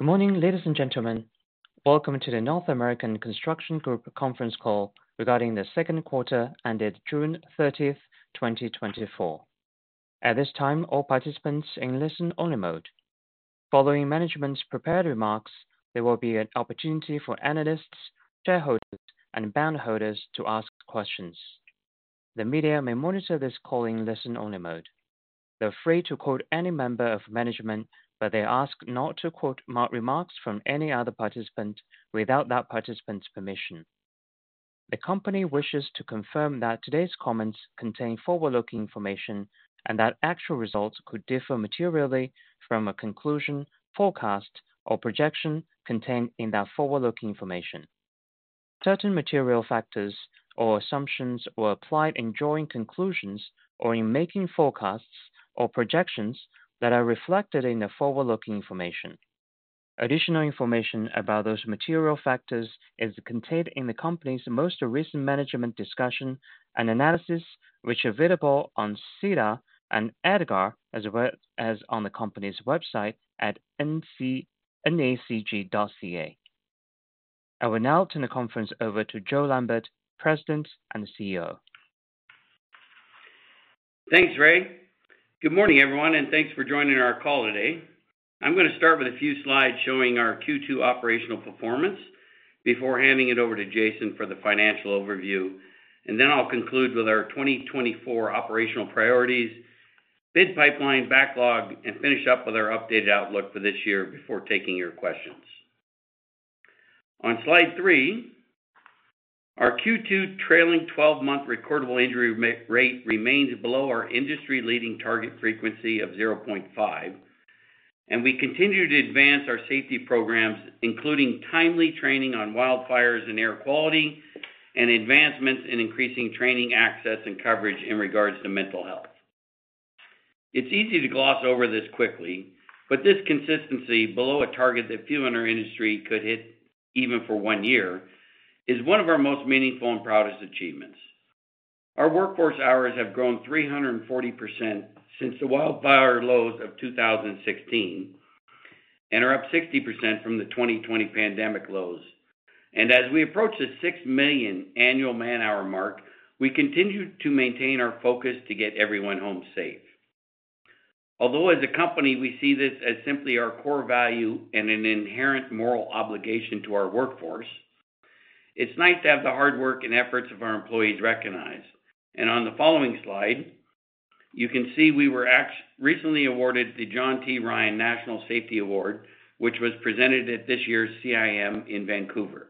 Good morning, ladies and gentlemen. Welcome to the North American Construction Group conference call regarding the second quarter ended June 30th, 2024. At this time, all participants in listen-only mode. Following management's prepared remarks, there will be an opportunity for analysts, shareholders, and bondholders to ask questions. The media may monitor this call in listen-only mode. They're free to quote any member of management, but they're asked not to quote remarks from any other participant without that participant's permission. The company wishes to confirm that today's comments contain forward-looking information and that actual results could differ materially from a conclusion, forecast, or projection contained in that forward-looking information. Certain material factors or assumptions were applied in drawing conclusions or in making forecasts or projections that are reflected in the forward-looking information. Additional information about those material factors is contained in the company's most recent management discussion and analysis, which are available on SEDAR and EDGAR, as well as on the company's website at NACG.ca. I will now turn the conference over to Joe Lambert, President and CEO. Thanks, Ray. Good morning, everyone, and thanks for joining our call today. I'm gonna start with a few slides showing our Q2 operational performance before handing it over to Jason for the financial overview. And then I'll conclude with our 2024 operational priorities, bid pipeline, backlog, and finish up with our updated outlook for this year before taking your questions. On slide three, our Q2 trailing twelve-month recordable injury rate remains below our industry-leading target frequency of 0.5, and we continue to advance our safety programs, including timely training on wildfires and air quality, and advancements in increasing training, access, and coverage in regards to mental health. It's easy to gloss over this quickly, but this consistency below a target that few in our industry could hit, even for one year, is one of our most meaningful and proudest achievements. Our workforce hours have grown 340% since the wildfire lows of 2016, and are up 60% from the 2020 pandemic lows. As we approach the 6 million annual man-hour mark, we continue to maintain our focus to get everyone home safe. Although, as a company, we see this as simply our core value and an inherent moral obligation to our workforce, it's nice to have the hard work and efforts of our employees recognized. And on the following slide, you can see we were actually recently awarded the John T. Ryan National Safety Award, which was presented at this year's CIM in Vancouver.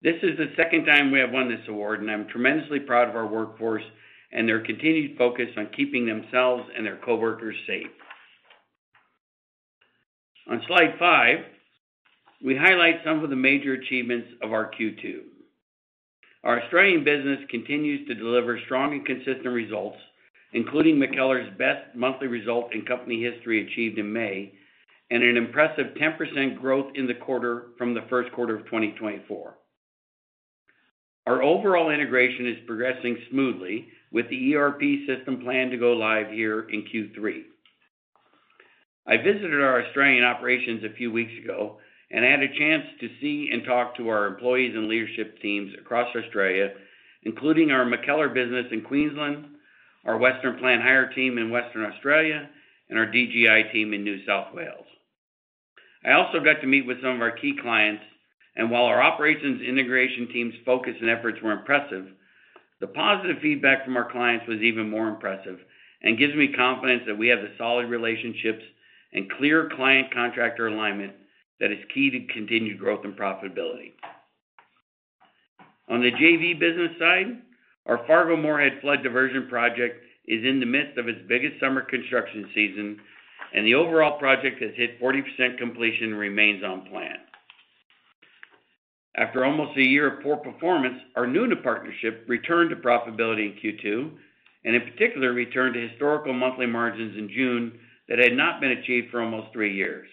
This is the second time we have won this award, and I'm tremendously proud of our workforce and their continued focus on keeping themselves and their coworkers safe. On slide 5, we highlight some of the major achievements of our Q2. Our Australian business continues to deliver strong and consistent results, including MacKellar's best monthly result in company history, achieved in May, and an impressive 10% growth in the quarter from the first quarter of 2024. Our overall integration is progressing smoothly with the ERP system planned to go live here in Q3. I visited our Australian operations a few weeks ago, and I had a chance to see and talk to our employees and leadership teams across Australia, including our MacKellar business in Queensland, our Western Plant Hire team in Western Australia, and our DGI team in New South Wales. I also got to meet with some of our key clients, and while our operations integration team's focus and efforts were impressive, the positive feedback from our clients was even more impressive and gives me confidence that we have the solid relationships and clear client-contractor alignment that is key to continued growth and profitability. On the JV business side, our Fargo-Moorhead Flood Diversion Project is in the midst of its biggest summer construction season, and the overall project has hit 40% completion and remains on plan. After almost a year of poor performance, our Nuna partnership returned to profitability in Q2, and in particular, returned to historical monthly margins in June that had not been achieved for almost three years.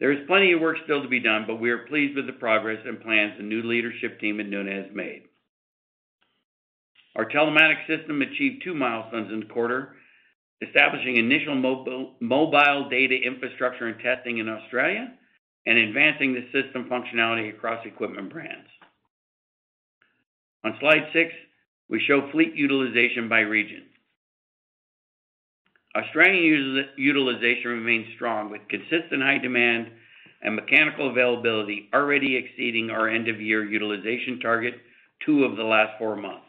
There is plenty of work still to be done, but we are pleased with the progress and plans the new leadership team at Nuna has made. Our telematics system achieved 2 milestones in the quarter, establishing initial mobile data infrastructure and testing in Australia, and advancing the system functionality across equipment brands. On slide 6, we show fleet utilization by region. Australian utilization remains strong, with consistent high demand and mechanical availability already exceeding our end-of-year utilization target, 2 of the last 4 months.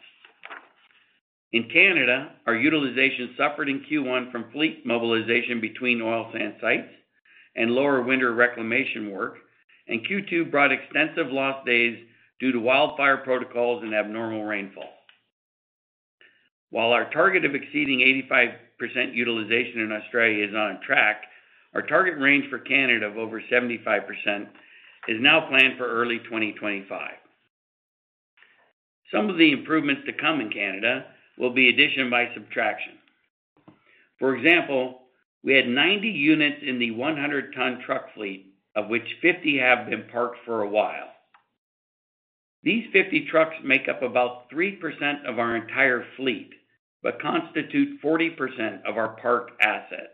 In Canada, our utilization suffered in Q1 from fleet mobilization between oil sands sites and lower winter reclamation work, and Q2 brought extensive lost days due to wildfire protocols and abnormal rainfall. While our target of exceeding 85% utilization in Australia is on track, our target range for Canada of over 75% is now planned for early 2025. Some of the improvements to come in Canada will be addition by subtraction. For example, we had 90 units in the 100-ton truck fleet, of which 50 have been parked for a while.... These 50 trucks make up about 3% of our entire fleet, but constitute 40% of our parked assets.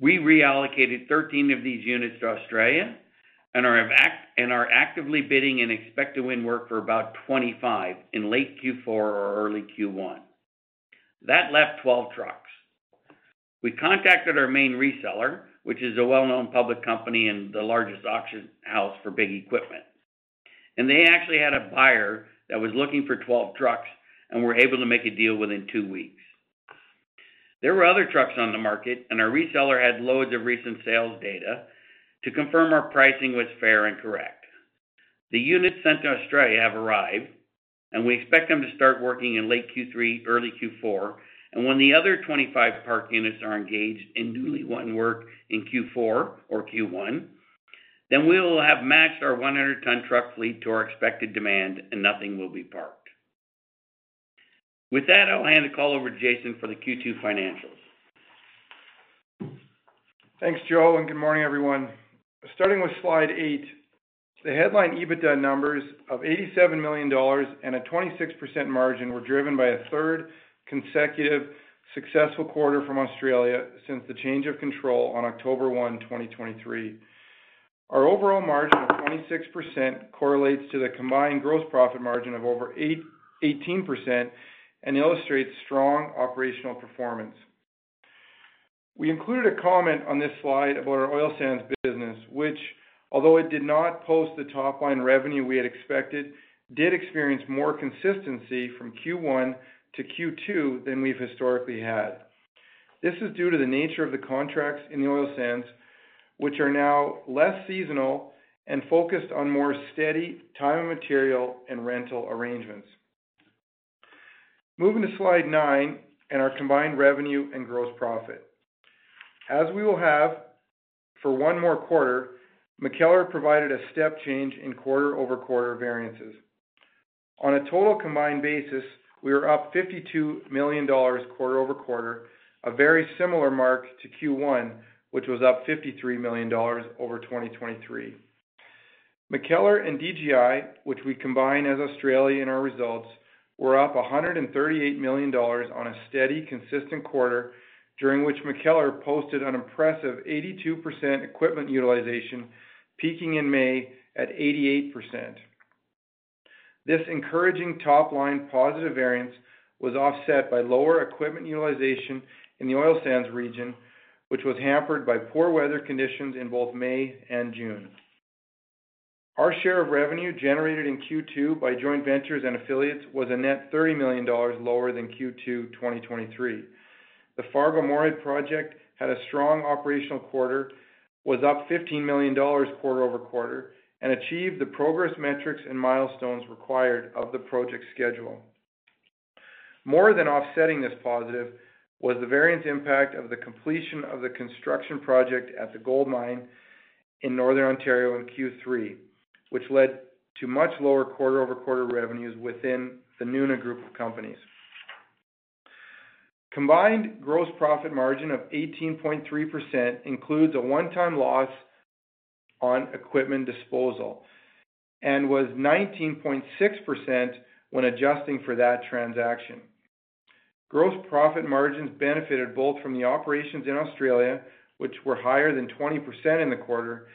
We reallocated 13 of these units to Australia and are actively bidding and expect to win work for about 25 in late Q4 or early Q1. That left 12 trucks. We contacted our main reseller, which is a well-known public company and the largest auction house for big equipment, and they actually had a buyer that was looking for 12 trucks and were able to make a deal within 2 weeks. There were other trucks on the market, and our reseller had loads of recent sales data to confirm our pricing was fair and correct. The units sent to Australia have arrived, and we expect them to start working in late Q3, early Q4, and when the other 25 parked units are engaged in newly won work in Q4 or Q1, then we will have matched our 100-ton truck fleet to our expected demand and nothing will be parked. With that, I'll hand the call over to Jason for the Q2 financials. Thanks, Joe, and good morning, everyone. Starting with slide 8, the headline EBITDA numbers of 87 million dollars and a 26% margin were driven by a third consecutive successful quarter from Australia since the change of control on October 1, 2023. Our overall margin of 26% correlates to the combined gross profit margin of over 18% and illustrates strong operational performance. We included a comment on this slide about our oil sands business, which although it did not post the top line revenue we had expected, did experience more consistency from Q1 to Q2 than we've historically had. This is due to the nature of the contracts in the oil sands, which are now less seasonal and focused on more steady time and material and rental arrangements. Moving to slide 9 and our combined revenue and gross profit. As we will have for one more quarter, MacKellar provided a step change in quarter-over-quarter variances. On a total combined basis, we are up 52 million dollars quarter-over-quarter, a very similar mark to Q1, which was up 53 million dollars over 2023. MacKellar and DGI, which we combine as Australia in our results, were up 138 million dollars on a steady, consistent quarter, during which MacKellar posted an impressive 82% equipment utilization, peaking in May at 88%. This encouraging top line positive variance was offset by lower equipment utilization in the oil sands region, which was hampered by poor weather conditions in both May and June. Our share of revenue generated in Q2 by joint ventures and affiliates was a net 30 million dollars lower than Q2 2023. The Fargo-Moorhead project had a strong operational quarter, was up 15 million dollars quarter-over-quarter, and achieved the progress metrics and milestones required of the project schedule. More than offsetting this positive was the variance impact of the completion of the construction project at the gold mine in Northern Ontario in Q3, which led to much lower quarter-over-quarter revenues within the Nuna Group of Companies. Combined gross profit margin of 18.3% includes a one-time loss on equipment disposal and was 19.6% when adjusting for that transaction. Gross profit margins benefited both from the operations in Australia, which were higher than 20% in the quarter,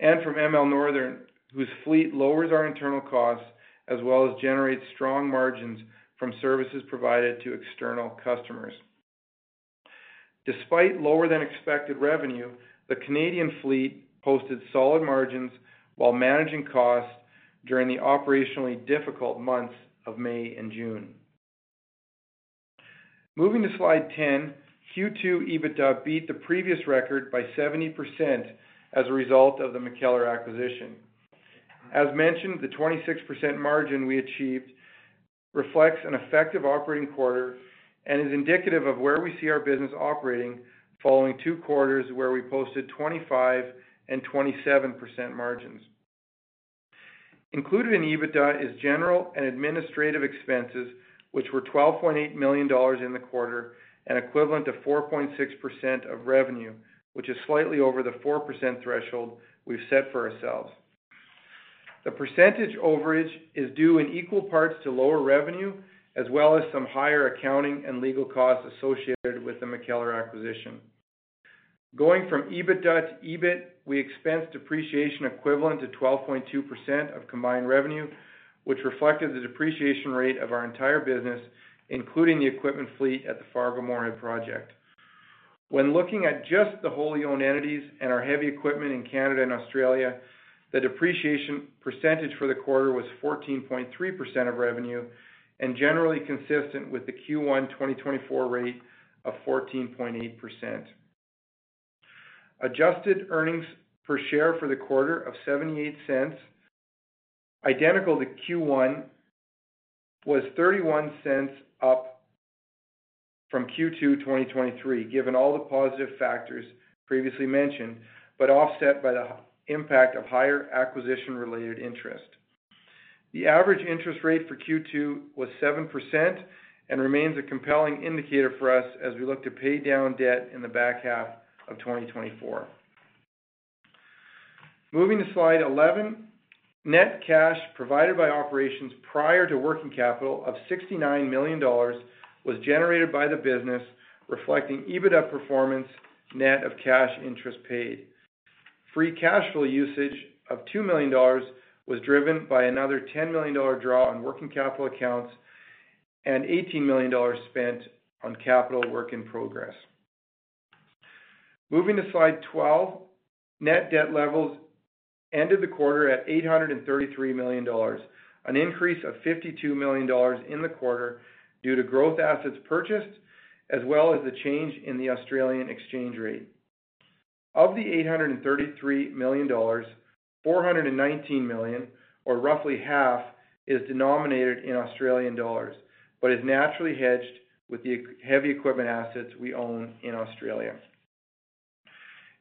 and from ML Northern, whose fleet lowers our internal costs as well as generates strong margins from services provided to external customers. Despite lower than expected revenue, the Canadian fleet posted solid margins while managing costs during the operationally difficult months of May and June. Moving to slide 10, Q2 EBITDA beat the previous record by 70% as a result of the MacKellar acquisition. As mentioned, the 26% margin we achieved reflects an effective operating quarter and is indicative of where we see our business operating following two quarters where we posted 25 and 27% margins. Included in EBITDA is general and administrative expenses, which were 12.8 million dollars in the quarter and equivalent to 4.6% of revenue, which is slightly over the 4% threshold we've set for ourselves. The percentage overage is due in equal parts to lower revenue, as well as some higher accounting and legal costs associated with the MacKellar acquisition. Going from EBITDA to EBIT, we expensed depreciation equivalent to 12.2% of combined revenue, which reflected the depreciation rate of our entire business, including the equipment fleet at the Fargo-Moorhead project. When looking at just the wholly owned entities and our heavy equipment in Canada and Australia, the depreciation percentage for the quarter was 14.3% of revenue and generally consistent with the Q1 2024 rate of 14.8%. Adjusted earnings per share for the quarter of 0.78, identical to Q1, was 0.31 up from Q2 2023, given all the positive factors previously mentioned, but offset by the impact of higher acquisition-related interest. The average interest rate for Q2 was 7%, and remains a compelling indicator for us as we look to pay down debt in the back half of 2024. Moving to slide 11, net cash provided by operations prior to working capital of 69 million dollars was generated by the business, reflecting EBITDA performance, net of cash interest paid. Free cash flow usage of 2 million dollars was driven by another 10 million dollar draw on working capital accounts and 18 million dollars spent on capital work in progress. Moving to slide 12, net debt levels ended the quarter at 833 million dollars, an increase of 52 million dollars in the quarter due to growth assets purchased, as well as the change in the Australian exchange rate. Of the 833 million dollars, 419 million, or roughly half, is denominated in Australian dollars, but is naturally hedged with the heavy equipment assets we own in Australia.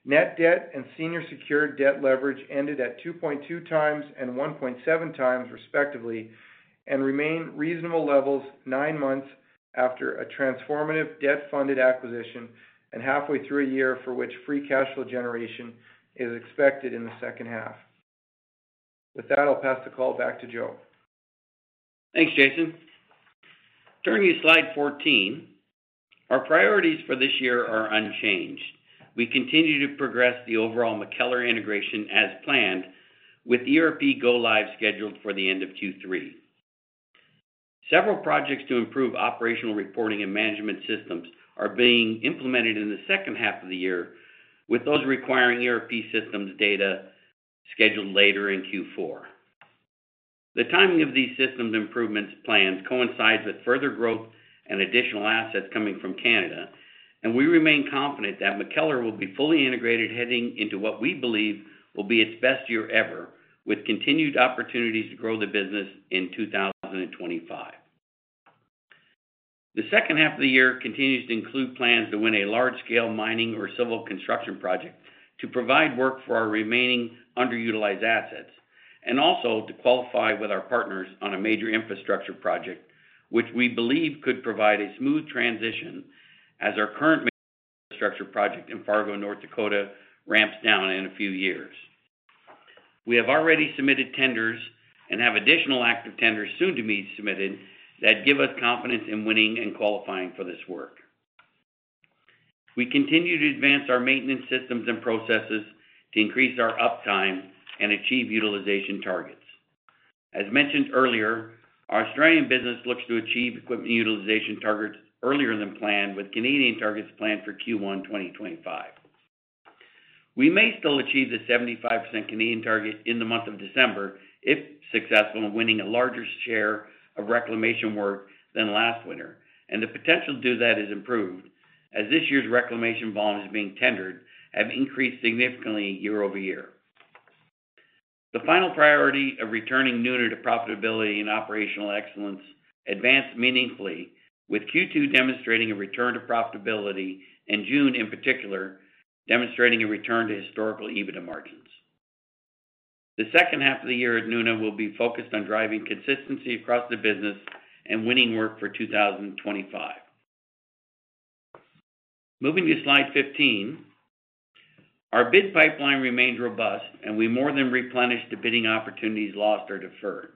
Net debt and senior secured debt leverage ended at 2.2 times and 1.7 times, respectively, and remain reasonable levels 9 months after a transformative debt-funded acquisition and halfway through a year for which free cash flow generation is expected in the second half. With that, I'll pass the call back to Joe. Thanks, Jason. Turning to slide 14, our priorities for this year are unchanged. We continue to progress the overall MacKellar integration as planned, with the ERP go live scheduled for the end of Q3. Several projects to improve operational reporting and management systems are being implemented in the second half of the year, with those requiring ERP systems data scheduled later in Q4. The timing of these systems improvements plans coincides with further growth and additional assets coming from Canada, and we remain confident that MacKellar will be fully integrated, heading into what we believe will be its best year ever, with continued opportunities to grow the business in 2025. The second half of the year continues to include plans to win a large-scale mining or civil construction project, to provide work for our remaining underutilized assets, and also to qualify with our partners on a major infrastructure project, which we believe could provide a smooth transition as our current major infrastructure project in Fargo, North Dakota, ramps down in a few years. We have already submitted tenders and have additional active tenders soon to be submitted that give us confidence in winning and qualifying for this work. We continue to advance our maintenance systems and processes to increase our uptime and achieve utilization targets. As mentioned earlier, our Australian business looks to achieve equipment utilization targets earlier than planned, with Canadian targets planned for Q1 2025. We may still achieve the 75% Canadian target in the month of December, if successful in winning a larger share of reclamation work than last winter. The potential to do that has improved, as this year's reclamation volumes being tendered have increased significantly year-over-year. The final priority of returning Nuna to profitability and operational excellence advanced meaningfully with Q2, demonstrating a return to profitability, and June, in particular, demonstrating a return to historical EBITDA margins. The second half of the year at Nuna will be focused on driving consistency across the business and winning work for 2025. Moving to slide 15, our bid pipeline remains robust, and we more than replenished the bidding opportunities lost or deferred.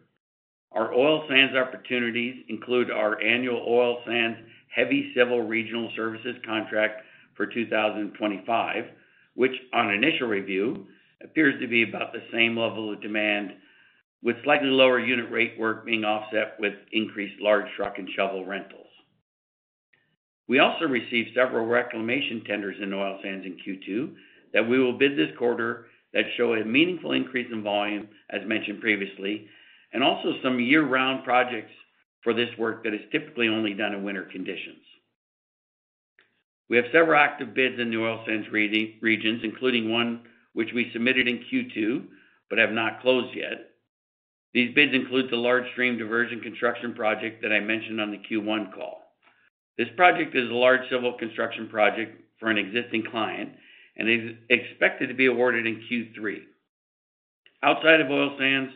Our oil sands opportunities include our annual oil sands heavy civil regional services contract for 2025, which, on initial review, appears to be about the same level of demand, with slightly lower unit rate work being offset with increased large truck and shovel rentals. We also received several reclamation tenders in oil sands in Q2, that we will bid this quarter, that show a meaningful increase in volume, as mentioned previously, and also some year-round projects for this work that is typically only done in winter conditions. We have several active bids in the oil sands regions, including one which we submitted in Q2, but have not closed yet. These bids include the large stream diversion construction project that I mentioned on the Q1 call. This project is a large civil construction project for an existing client and is expected to be awarded in Q3. Outside of oil sands,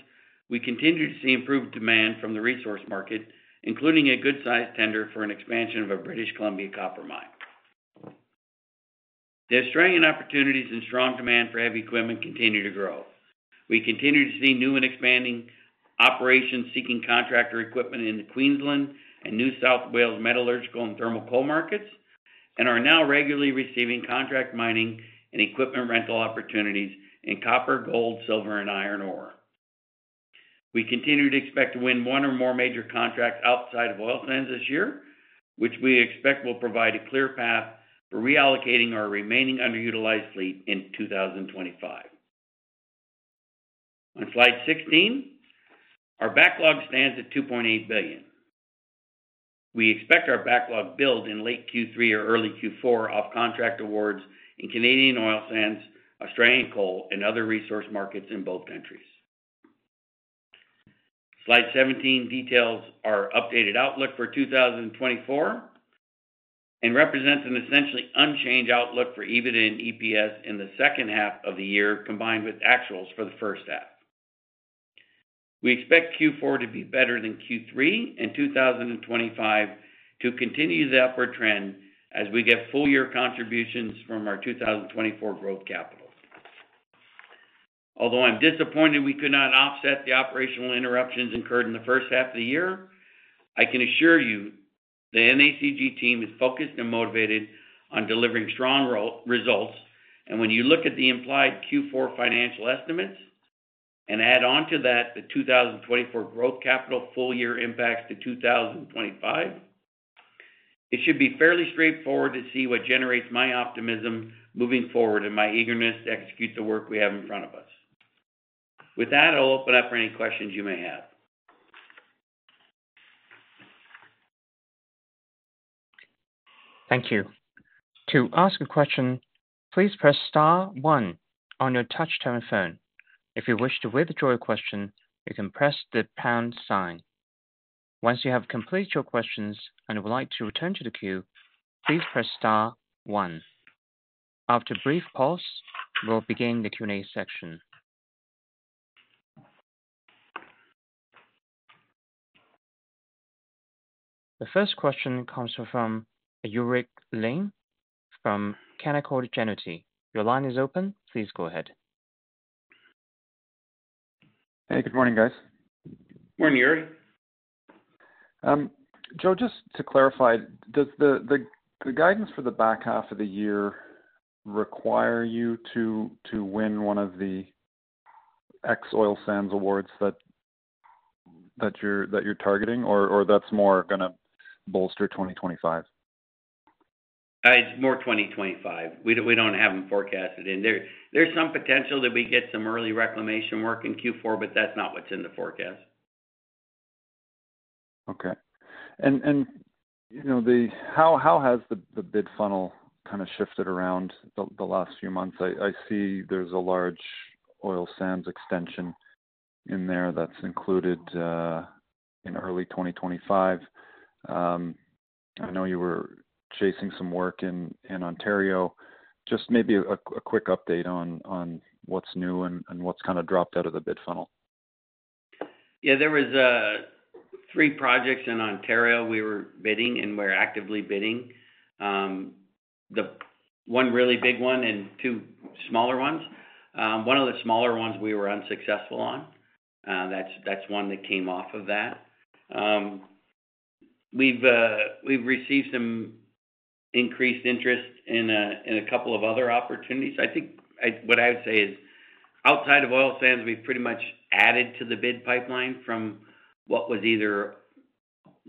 we continue to see improved demand from the resource market, including a good-sized tender for an expansion of a British Columbia copper mine. The Australian opportunities and strong demand for heavy equipment continue to grow. We continue to see new and expanding operations seeking contractor equipment in the Queensland and New South Wales metallurgical and thermal coal markets, and are now regularly receiving contract mining and equipment rental opportunities in copper, gold, silver, and iron ore. We continue to expect to win one or more major contracts outside of oil sands this year, which we expect will provide a clear path for reallocating our remaining underutilized fleet in 2025. On slide 16, our backlog stands at 2.8 billion. We expect our backlog build in late Q3 or early Q4 off contract awards in Canadian oil sands, Australian coal, and other resource markets in both countries. Slide 17 details our updated outlook for 2024 and represents an essentially unchanged outlook for EBITDA and EPS in the second half of the year, combined with actuals for the first half. We expect Q4 to be better than Q3, and 2025 to continue the upward trend as we get full-year contributions from our 2024 growth capital. Although I'm disappointed we could not offset the operational interruptions incurred in the first half of the year, I can assure you the NACG team is focused and motivated on delivering strong results. When you look at the implied Q4 financial estimates, and add on to that the 2024 growth capital full-year impacts to 2025, it should be fairly straightforward to see what generates my optimism moving forward and my eagerness to execute the work we have in front of us. With that, I'll open up for any questions you may have. Thank you. To ask a question, please press star one on your touch-tone phone. If you wish to withdraw your question, you can press the pound sign. Once you have completed your questions and would like to return to the queue, please press star one. After a brief pause, we'll begin the Q&A section. The first question comes from Yuri Lynk from Canaccord Genuity. Your line is open. Please go ahead. Hey, good morning, guys. Morning, Yuri. Joe, just to clarify, does the guidance for the back half of the year require you to win one of the ex oil sands awards that you're targeting, or that's more gonna bolster 2025? It's more 2025. We don't have them forecasted in there. There's some potential that we get some early reclamation work in Q4, but that's not what's in the forecast. Okay. You know, how has the bid funnel kind of shifted around the last few months? I see there's a large oil sands extension in there that's included in early 2025. I know you were chasing some work in Ontario. Just maybe a quick update on what's new and what's kind of dropped out of the bid funnel. Yeah, there was 3 projects in Ontario we were bidding, and we're actively bidding. The one really big one and 2 smaller ones. One of the smaller ones we were unsuccessful on, that's, that's one that came off of that. We've received some increased interest in a couple of other opportunities. I think I what I would say is, outside of oil sands, we've pretty much added to the bid pipeline from what was either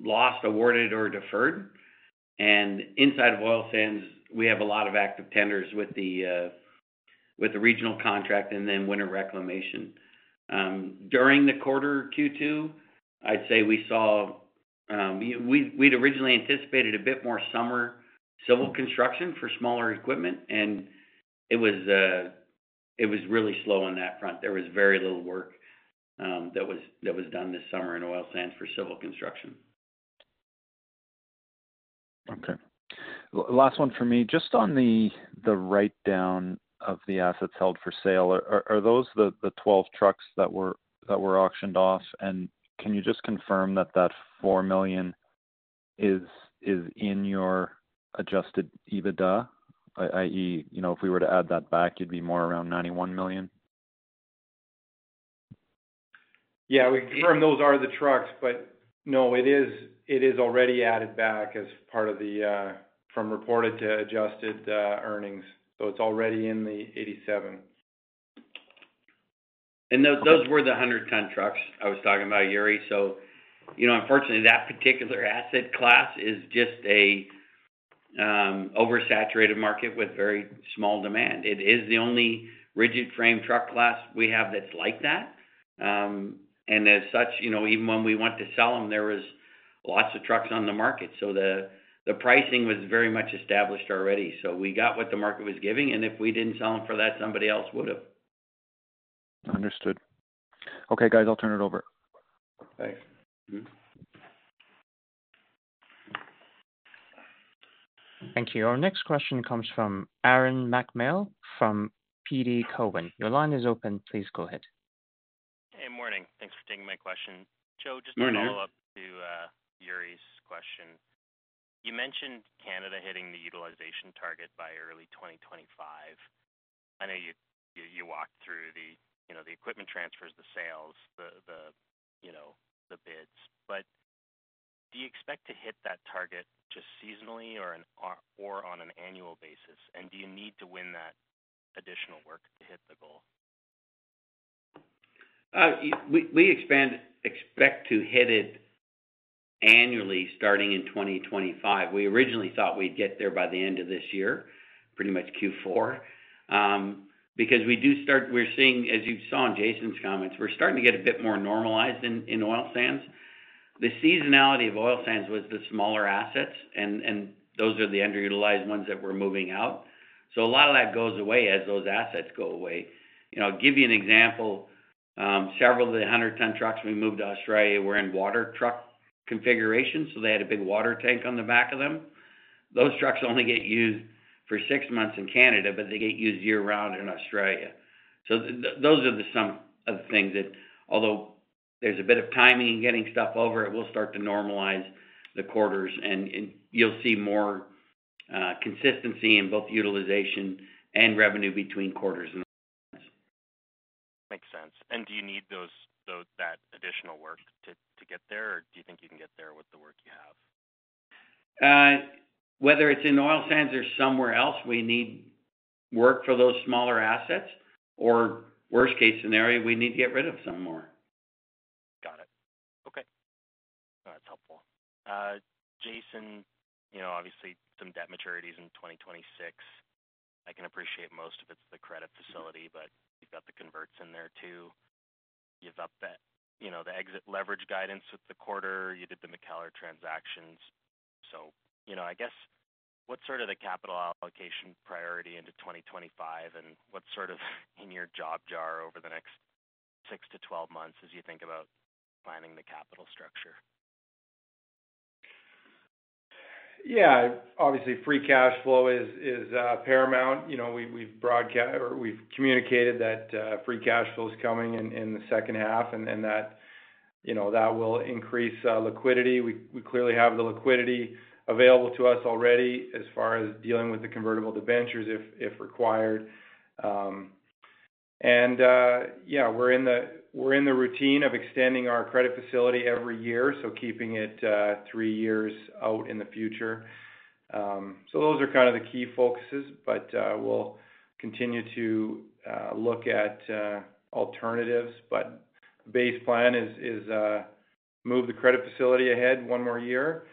lost, awarded, or deferred. And inside of oil sands, we have a lot of active tenders with the regional contract and then winter reclamation. During the quarter Q2, I'd say we saw, we'd originally anticipated a bit more summer civil construction for smaller equipment, and it was really slow on that front. There was very little work that was done this summer in oil sands for civil construction. Okay. Last one for me. Just on the write-down of the assets held for sale, are those the 12 trucks that were auctioned off? And can you just confirm that 4 million is in your adjusted EBITDA? I.e., you know, if we were to add that back, it'd be more around 91 million. Yeah, we confirm those are the trucks, but no, it is, it is already added back as part of the from reported to adjusted earnings. So it's already in the 87. And those, those were the 100-ton trucks I was talking about, Yuri. So, you know, unfortunately, that particular asset class is just a oversaturated market with very small demand. It is the only rigid frame truck class we have that's like that. And as such, you know, even when we went to sell them, there was lots of trucks on the market, so the pricing was very much established already. So we got what the market was giving, and if we didn't sell them for that, somebody else would have. Understood. Okay, guys, I'll turn it over. Thanks. Thank you. Our next question comes from Aaron MacNeil, from TD Cowen. Your line is open. Please go ahead. Hey, morning. Thanks for taking my question. Morning. Joe, just to follow up to Yuri's question. You mentioned Canada hitting the utilization target by early 2025. I know you walked through the, you know, the equipment transfers, the sales, the, you know, the bids. But do you expect to hit that target just seasonally or, or on an annual basis? And do you need to win that additional work to hit the goal? We expect to hit it annually, starting in 2025. We originally thought we'd get there by the end of this year, pretty much Q4. Because we do start—we're seeing, as you saw in Jason's comments, we're starting to get a bit more normalized in oil sands. The seasonality of oil sands was the smaller assets, and those are the underutilized ones that we're moving out. So a lot of that goes away as those assets go away. You know, I'll give you an example. Several of the 100-ton trucks we moved to Australia were in water truck configuration, so they had a big water tank on the back of them. Those trucks only get used for six months in Canada, but they get used year-round in Australia. So those are some of the things that although there's a bit of timing in getting stuff over, it will start to normalize the quarters and, and you'll see more consistency in both utilization and revenue between quarters and- Makes sense. And do you need that additional work to get there, or do you think you can get there with the work you have? Whether it's in oil sands or somewhere else, we need work for those smaller assets, or worst case scenario, we need to get rid of some more. Got it. Okay. That's helpful. Jason, you know, obviously, some debt maturities in 2026. I can appreciate most of it's the credit facility, but you've got the converts in there too. You've up that-- you know, the exit leverage guidance with the quarter, you did the MacKellar transactions. So, you know, I guess, what's sort of the capital allocation priority into 2025, and what's sort of in your job jar over the next 6-12 months as you think about planning the capital structure? Yeah, obviously, free cash flow is paramount. You know, we've broadcast or we've communicated that free cash flow is coming in the second half, and that, you know, that will increase liquidity. We clearly have the liquidity available to us already as far as dealing with the convertible debentures, if required. Yeah, we're in the routine of extending our credit facility every year, so keeping it three years out in the future. So those are kind of the key focuses, but we'll continue to look at alternatives. But base plan is move the credit facility ahead one more year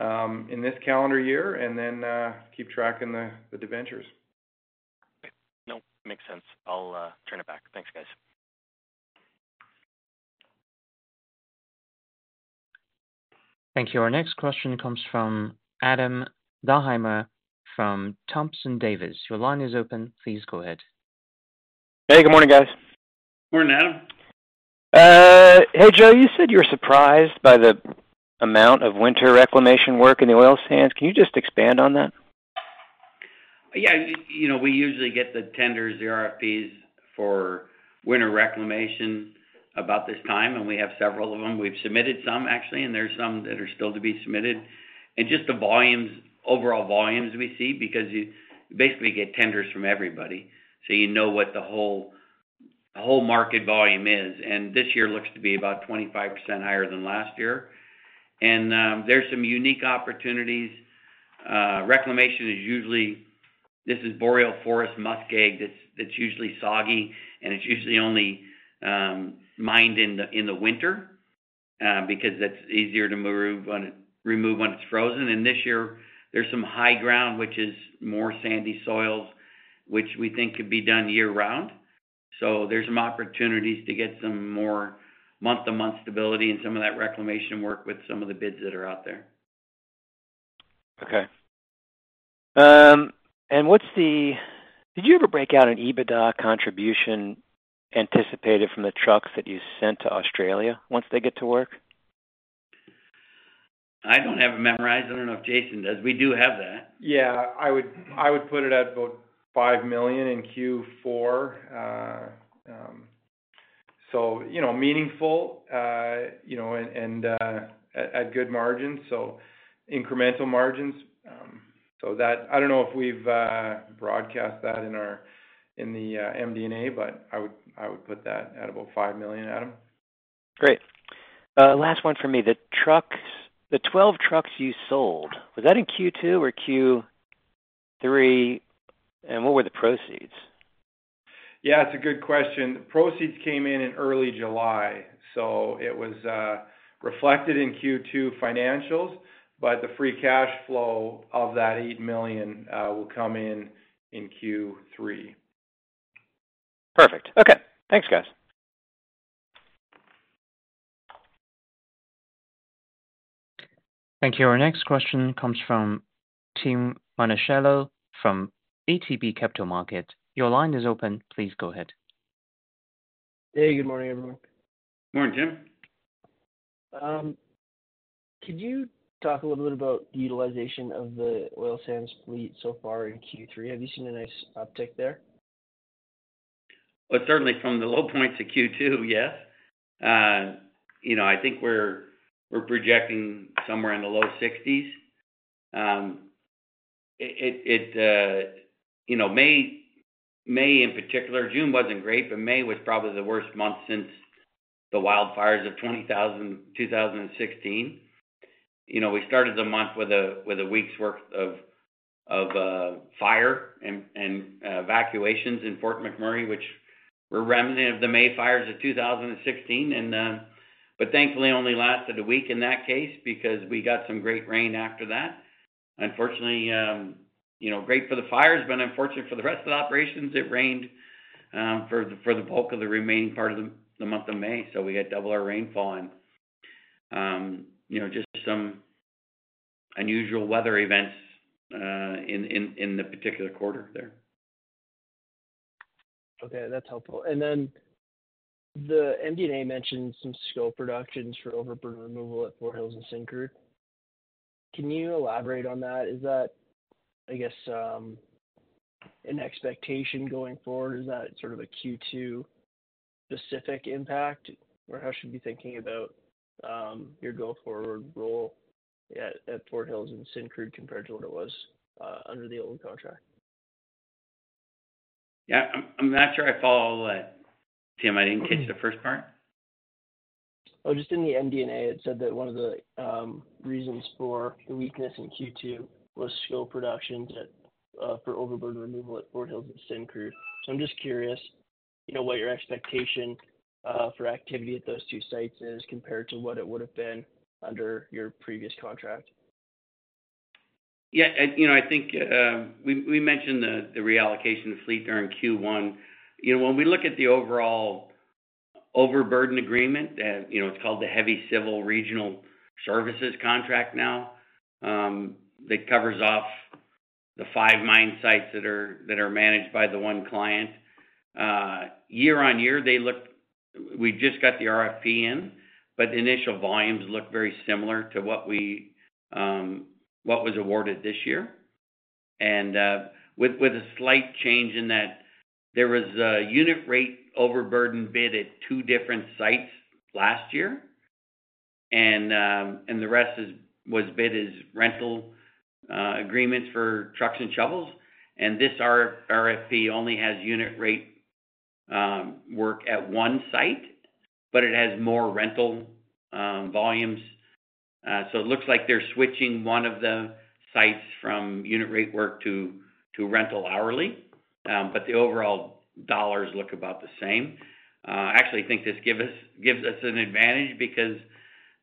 in this calendar year, and then keep tracking the debentures. Nope, makes sense. I'll turn it back. Thanks, guys. Thank you. Our next question comes from Adam Thalhimer from Thompson Davis. Your line is open. Please go ahead. Hey, good morning, guys. Morning, Adam. Hey, Joe, you said you were surprised by the amount of winter reclamation work in the oil sands. Can you just expand on that? Yeah, you know, we usually get the tenders, the RFPs, for winter reclamation about this time, and we have several of them. We've submitted some, actually, and there's some that are still to be submitted. Just the volumes, overall volumes we see, because you basically get tenders from everybody, so you know what the whole market volume is. This year looks to be about 25% higher than last year. There's some unique opportunities. Reclamation is usually... This is boreal forest muskeg, that's usually soggy, and it's usually only mined in the winter because that's easier to remove when it's frozen. This year there's some high ground, which is more sandy soils, which we think could be done year-round. There's some opportunities to get some more month-to-month stability and some of that reclamation work with some of the bids that are out there. Okay. Did you ever break out an EBITDA contribution anticipated from the trucks that you sent to Australia once they get to work? I don't have it memorized. I don't know if Jason does. We do have that. Yeah, I would, I would put it at about 5 million in Q4. So, you know, meaningful, you know, and, at, at good margins, so incremental margins. So that... I don't know if we've, broadcast that in our, in the, MD&A, but I would, I would put that at about 5 million, Adam. Great. Last one from me. The trucks, the 12 trucks you sold, was that in Q2 or Q3, and what were the proceeds? Yeah, it's a good question. Proceeds came in in early July, so it was reflected in Q2 financials, but the free cash flow of that 8 million will come in in Q3. Perfect. Okay. Thanks, guys. Thank you. Our next question comes from Tim Monachello from ATB Capital Markets. Your line is open. Please go ahead. Hey, good morning, everyone. Morning, Tim. Could you talk a little bit about the utilization of the oil sands fleet so far in Q3? Have you seen a nice uptick there? Well, certainly from the low points of Q2, yes. You know, I think we're projecting somewhere in the low 60s. You know, May in particular, June wasn't great, but May was probably the worst month since the wildfires of 2016. You know, we started the month with a week's worth of fire and evacuations in Fort McMurray, which were remnant of the May fires of 2016, and but thankfully only lasted a week in that case because we got some great rain after that. Unfortunately, you know, great for the fires, but unfortunate for the rest of the operations. It rained for the bulk of the remaining part of the month of May, so we had double our rainfall and, you know, just some unusual weather events in the particular quarter there. Okay, that's helpful. And then the MD&A mentioned some scope reductions for overburden removal at Fort Hills and Syncrude. Can you elaborate on that? Is that, I guess, an expectation going forward, is that sort of a Q2 specific impact? Or how should we be thinking about, your go-forward role at Fort Hills and Syncrude, compared to what it was, under the old contract? Yeah, I'm not sure I follow all that, Tim. I didn't catch the first part. Oh, just in the MD&A, it said that one of the reasons for the weakness in Q2 was scope reductions at, for overburden removal at Fort Hills and Syncrude. So I'm just curious, you know, what your expectation for activity at those two sites is, compared to what it would've been under your previous contract. Yeah. And, you know, I think, we mentioned the reallocation of fleet during Q1. You know, when we look at the overall overburden agreement, you know, it's called the Heavy Civil Regional Services Contract now, that covers off the five mine sites that are managed by the one client. Year-on-year, they look... We just got the RFP in, but the initial volumes look very similar to what was awarded this year. And, with a slight change in that there was a unit rate overburden bid at two different sites last year, and, the rest was bid as rental agreements for trucks and shovels. And this RFP only has unit rate work at one site, but it has more rental volumes. So it looks like they're switching one of the sites from unit rate work to rental hourly. But the overall dollars look about the same. I actually think this gives us an advantage, because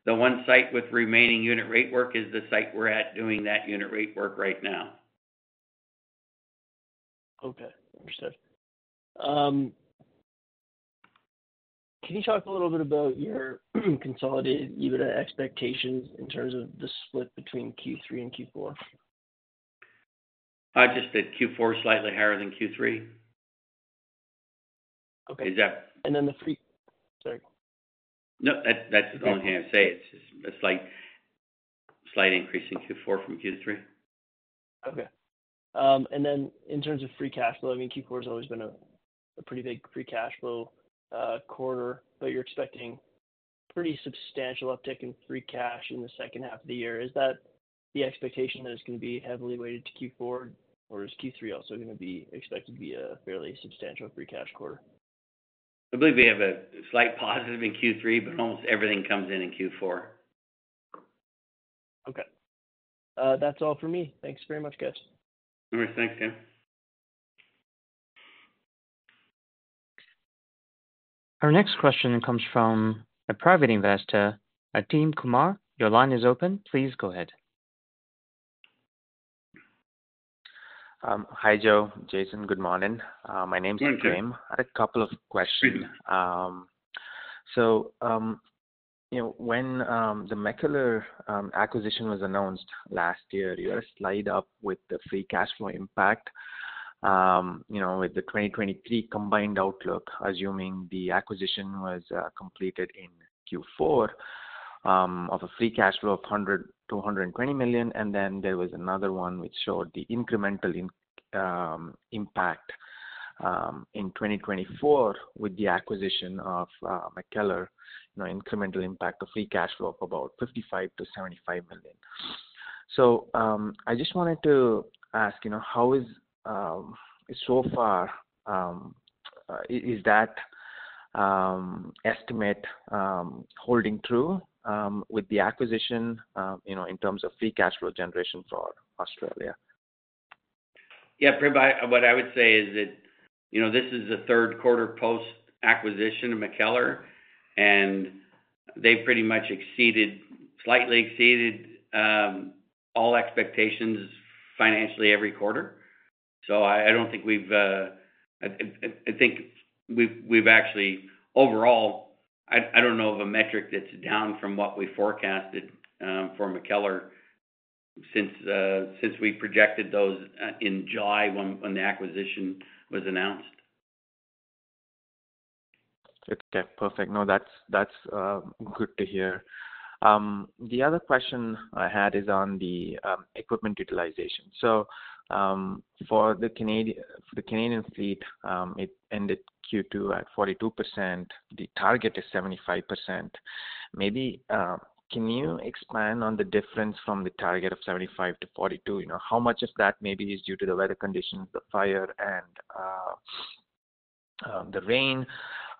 the one site with remaining unit rate work is the site we're at, doing that unit rate work right now. Okay, understood. Can you talk a little bit about your consolidated EBITDA expectations, in terms of the split between Q3 and Q4? Just that Q4 is slightly higher than Q3. Okay. Is that- Sorry. No, that, that's the only thing I can say. It's just, it's like slight increase in Q4 from Q3. Okay. And then in terms of free cash flow, I mean, Q4 has always been a pretty big free cash flow quarter, but you're expecting pretty substantial uptick in free cash in the second half of the year. Is that the expectation that it's gonna be heavily weighted to Q4, or is Q3 also gonna be expected to be a fairly substantial free cash quarter? I believe we have a slight positive in Q3, but almost everything comes in Q4. Okay. That's all for me. Thanks very much, guys. All right, thanks, Tim. Our next question comes from a private investor, Prem Kumar. Your line is open. Please go ahead. Hi, Joe, Jason. Good morning. My name is Prem. Hey, Prem. I had a couple of questions. Sure. So, you know, when the MacKellar acquisition was announced last year, you had a slide up with the free cash flow impact, you know, with the 2023 combined outlook, assuming the acquisition was completed in Q4, of a free cash flow of 100 million-220 million. And then, there was another one which showed the incremental impact in 2024, with the acquisition of MacKellar, you know, incremental impact of free cash flow of about 55 million-75 million. So, I just wanted to ask, you know, how is... So far, is that estimate holding true with the acquisition, you know, in terms of free cash flow generation for Australia? Yeah, Prem, what I would say is that, you know, this is the third quarter post-acquisition of MacKellar, and they've pretty much exceeded, slightly exceeded, all expectations financially every quarter. So I don't think we've, I think we've actually. Overall, I don't know of a metric that's down from what we forecasted, for MacKellar since we projected those, in July, when the acquisition was announced. Okay, perfect. No, that's, that's good to hear. The other question I had is on the equipment utilization. So, for the Canadian, for the Canadian fleet, it ended Q2 at 42%. The target is 75%. Maybe can you expand on the difference from the target of 75%-42%? You know, how much of that maybe is due to the weather conditions, the fire and the rain,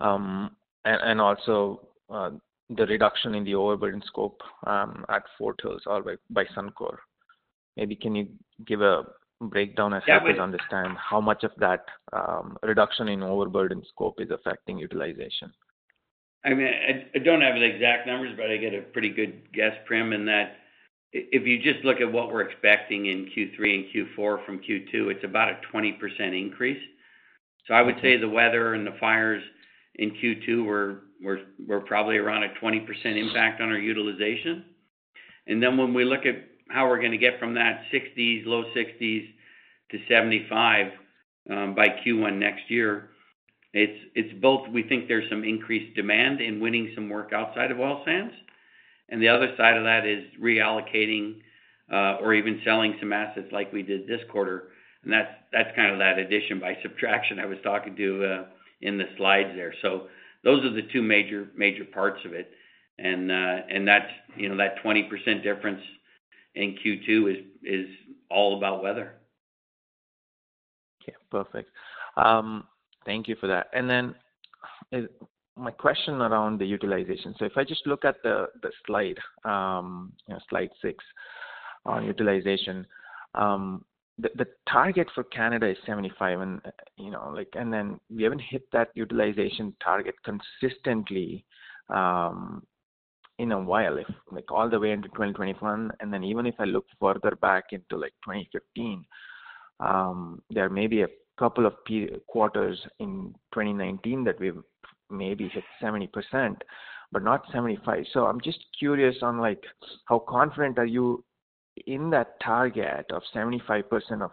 and also the reduction in the overburden scope at Fort Hills or by Suncor? Maybe can you give a breakdown as- Yeah, we- So we understand how much of that reduction in overburden scope is affecting utilization? I mean, I don't have the exact numbers, but I get a pretty good guess, Prem, in that if you just look at what we're expecting in Q3 and Q4 from Q2, it's about a 20% increase. So I would say the weather and the fires in Q2 were probably around a 20% impact on our utilization. And then when we look at how we're going to get from that low 60s-75 by Q1 next year, it's both. We think there's some increased demand in winning some work outside of oil sands, and the other side of that is reallocating or even selling some assets like we did this quarter. And that's kind of that addition by subtraction I was talking to in the slides there. So those are the two major parts of it. That's, you know, that 20% difference in Q2 is all about weather. Okay, perfect. Thank you for that. And then, my question around the utilization. So if I just look at the slide, you know, slide six on utilization. The target for Canada is 75%, and, you know, like and then we haven't hit that utilization target consistently, in a while, if like, all the way into 2021. And then even if I look further back into, like, 2015, there may be a couple of quarters in 2019 that we've maybe hit 70%, but not 75%. So I'm just curious on, like, how confident are you in that target of 75% of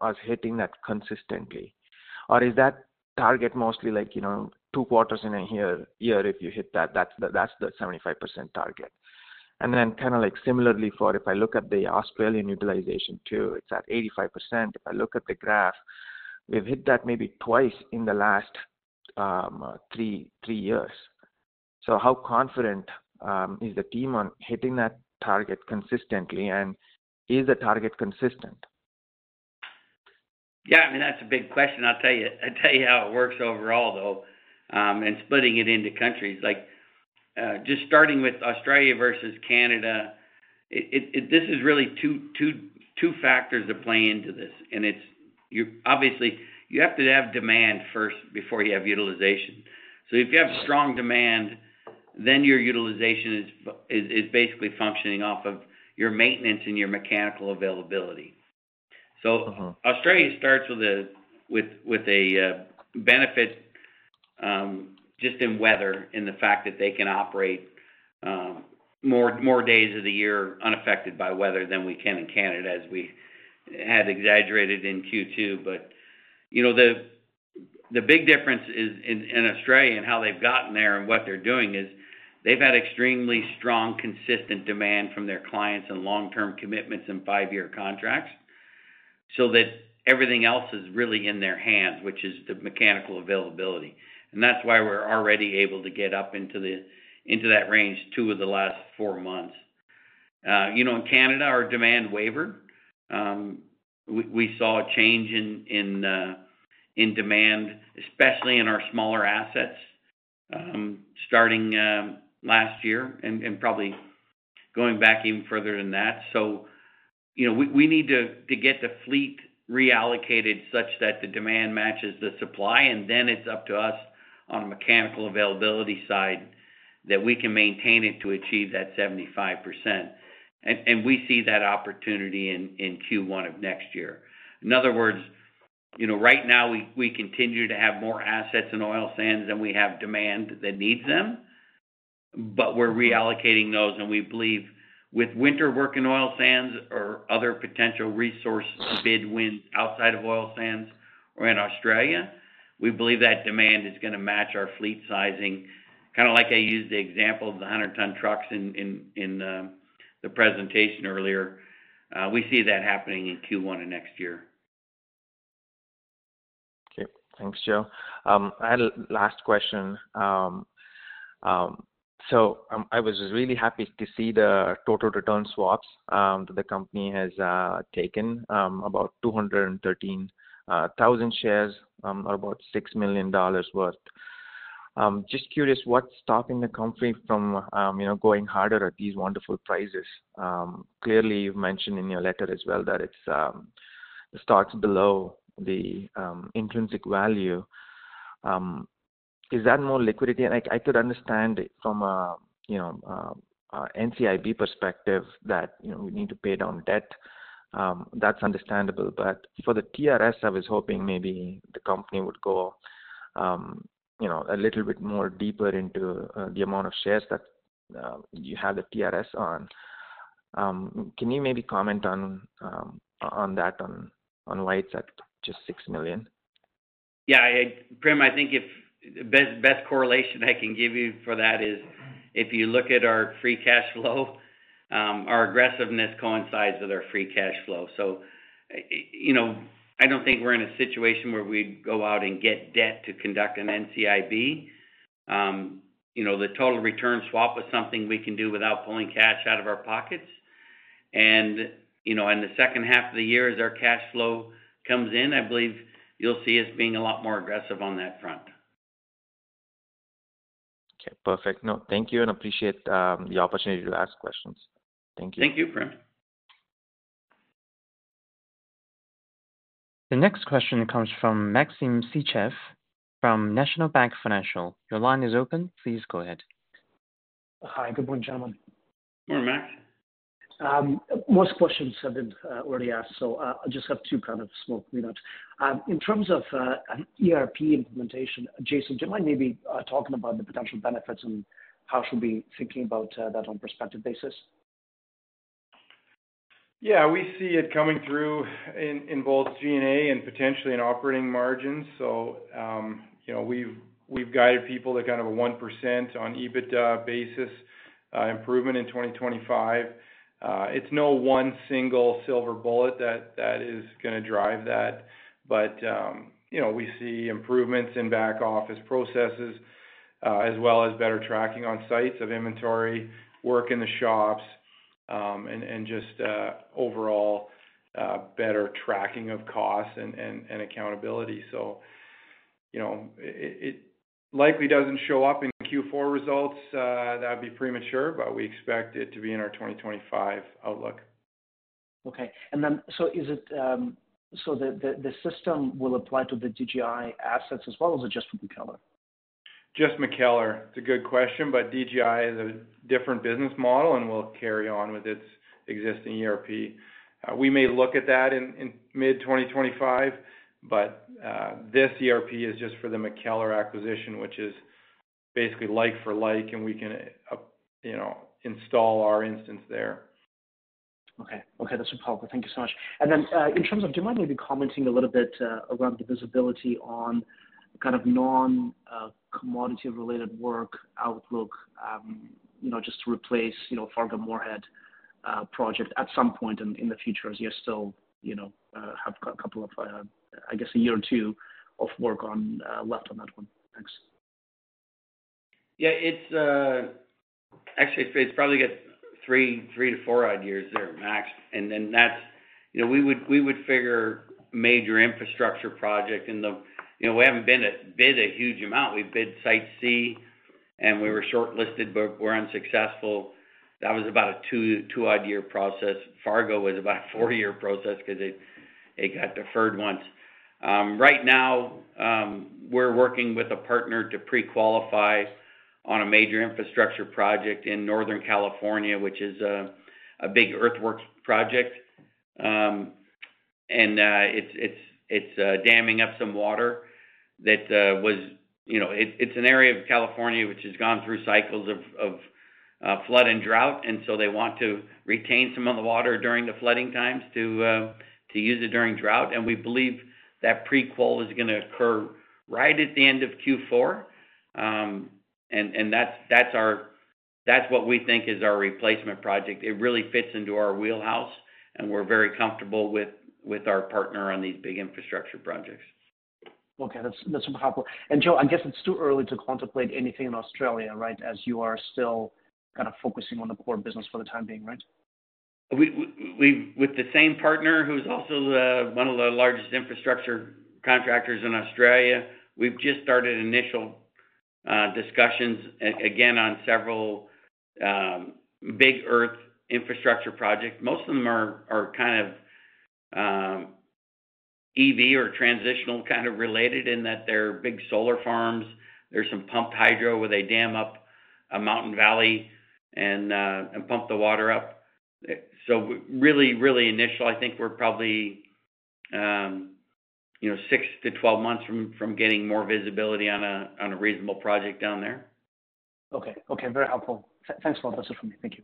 us hitting that consistently? Or is that target mostly like, you know, two quarters in a year, year if you hit that, that's the 75% target? And then kind of like similarly, if I look at the Australian utilization too, it's at 85%. If I look at the graph, we've hit that maybe twice in the last three years. So how confident is the team on hitting that target consistently, and is the target consistent? Yeah, I mean, that's a big question. I'll tell you-- I'll tell you how it works overall, though, and splitting it into countries. Like, just starting with Australia versus Canada, this is really two factors that play into this, and it's... You obviously, you have to have demand first before you have utilization. So if you have strong demand, then your utilization is basically functioning off of your maintenance and your mechanical availability. Uh-huh. So Australia starts with a benefit just in weather, in the fact that they can operate more days of the year unaffected by weather than we can in Canada, as we had exaggerated in Q2. But, you know, the big difference is in Australia and how they've gotten there and what they're doing, is they've had extremely strong, consistent demand from their clients and long-term commitments and five-year contracts. So that everything else is really in their hands, which is the mechanical availability. And that's why we're already able to get up into that range, two of the last four months. You know, in Canada, our demand wavered. We saw a change in demand, especially in our smaller assets, starting last year and probably going back even further than that. So, you know, we need to get the fleet reallocated such that the demand matches the supply, and then it's up to us on the mechanical availability side, that we can maintain it to achieve that 75%. And we see that opportunity in Q1 of next year. In other words, you know, right now we continue to have more assets in oil sands than we have demand that needs them, but we're reallocating those, and we believe with winter work in oil sands or other potential resource bid wins outside of oil sands or in Australia, we believe that demand is going to match our fleet sizing. Kind of like I used the example of the 100-ton trucks in the presentation earlier. We see that happening in Q1 of next year. Okay. Thanks, Joe. I had a last question. So, I was really happy to see the total return swaps that the company has taken about 213,000 shares, about 6 million dollars worth. Just curious, what's stopping the company from you know going harder at these wonderful prices? Clearly, you've mentioned in your letter as well, that it's stocks below the intrinsic value. Is that more liquidity? And I could understand from a you know a NCIB perspective that you know we need to pay down debt. That's understandable. But for the TRS, I was hoping maybe the company would go you know a little bit more deeper into the amount of shares that you have the TRS on. Can you maybe comment on that, on why it's at just 6 million? Yeah, Prem, I think best correlation I can give you for that is, if you look at our free cash flow, our aggressiveness coincides with our free cash flow. So, you know, I don't think we're in a situation where we'd go out and get debt to conduct an NCIB. You know, the total return swap is something we can do without pulling cash out of our pockets. And, you know, in the second half of the year, as our cash flow comes in, I believe you'll see us being a lot more aggressive on that front. Okay, perfect. No, thank you, and appreciate, the opportunity to ask questions. Thank you. Thank you, Prem. The next question comes from Maxim Sytchev from National Bank Financial. Your line is open. Please go ahead. Hi, good morning, gentlemen. Morning, Matt. Most questions have been already asked, so I just have two kind of small cleanups. In terms of an ERP implementation, Jason, do you mind maybe talking about the potential benefits and how should we be thinking about that on prospective basis? Yeah, we see it coming through in both GNA and potentially in operating margins. So, you know, we've guided people to kind of a 1% on EBITDA basis, improvement in 2025. It's no one single silver bullet that is gonna drive that. But, you know, we see improvements in back office processes, as well as better tracking on sites of inventory, work in the shops, and just overall better tracking of costs and accountability. So, you know, it likely doesn't show up in Q4 results, that'd be premature, but we expect it to be in our 2025 outlook. Okay. And then, so is it? So the system will apply to the DGI assets as well, or is it just for MacKellar? Just MacKellar. It's a good question, but DGI is a different business model, and will carry on with its existing ERP. We may look at that in, in mid-2025, but, this ERP is just for the MacKellar acquisition, which is basically like for like, and we can, you know, install our instance there. Okay. Okay, that's helpful. Thank you so much. And then, in terms of, do you mind maybe commenting a little bit, around the visibility on kind of non, commodity-related work outlook, you know, just to replace, you know, Fargo-Moorhead project at some point in the future, as you still, you know, have a couple of, I guess, a year or two of work on, left on that one? Thanks. Yeah, it's actually, it's probably got three to four odd years there, max. And then that's. You know, we would figure major infrastructure project in the. You know, we haven't been a huge amount. We've bid Site C, and we were shortlisted but were unsuccessful. That was about a two-year process. Fargo was about a four-year process 'cause it got deferred once. Right now, we're working with a partner to pre-qualify on a major infrastructure project in Northern California, which is a big earthworks project. And, it's damming up some water that—You know, it's an area of California, which has gone through cycles of flood and drought, and so they want to retain some of the water during the flooding times to use it during drought. And we believe that pre-qual is gonna occur right at the end of Q4. And that's our, that's what we think is our replacement project. It really fits into our wheelhouse, and we're very comfortable with our partner on these big infrastructure projects. Okay, that's, that's helpful. Joe, I guess it's too early to contemplate anything in Australia, right? As you are still kind of focusing on the core business for the time being, right? We with the same partner, who's also one of the largest infrastructure contractors in Australia, we've just started initial discussions again on several big earth infrastructure projects. Most of them are kind of EV or transitional, kind of related in that they're big solar farms. There's some pumped hydro, where they dam up a mountain valley and pump the water up. So really, really initial. I think we're probably you know 6-12 months from getting more visibility on a reasonable project down there. Okay. Okay, very helpful. Thanks for that. That's it for me. Thank you.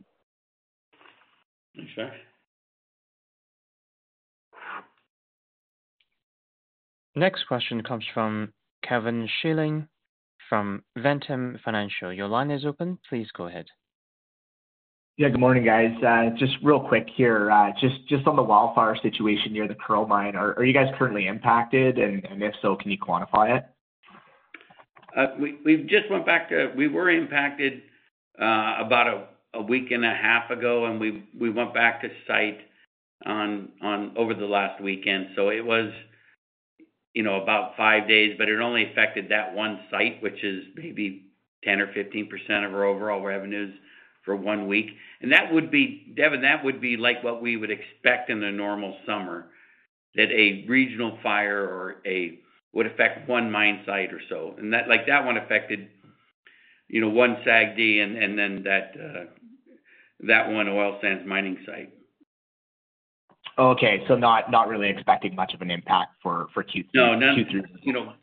Thanks, Matt. Next question comes from Devin Schilling from Ventum Financial. Your line is open. Please go ahead. Yeah, good morning, guys. Just real quick here. Just on the wildfire situation near the Kearl Mine, are you guys currently impacted? And if so, can you quantify it? We've just went back to site. We were impacted about a week and a half ago, and we went back to site over the last weekend. So it was, you know, about five days, but it only affected that one site, which is maybe 10% or 15% of our overall revenues for one week. And that would be, Devin, that would be like what we would expect in a normal summer, that a regional fire would affect one mine site or so. And that, like, that one affected, you know, one SAGD and then that one oil sands mining site. Okay. So not really expecting much of an impact for Q3- No, none. Q3. You know,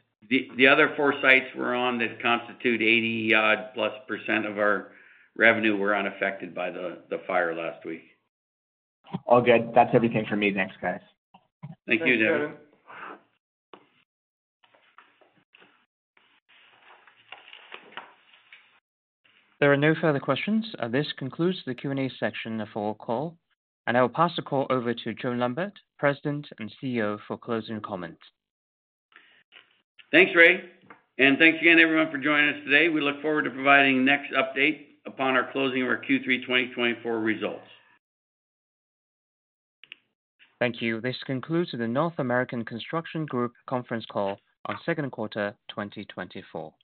the other four sites we're on that constitute 80-odd plus % of our revenue were unaffected by the fire last week. All good. That's everything for me. Thanks, guys. Thank you, Devin. There are no further questions. This concludes the Q&A section of our call, and I will pass the call over to Joe Lambert, President and CEO, for closing comments. Thanks, Ray. Thanks again, everyone, for joining us today. We look forward to providing next update upon our closing of our Q3 2024 results. Thank you. This concludes the North American Construction Group conference call on second quarter 2024.